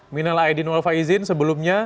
minal aedin walfaizin sebelumnya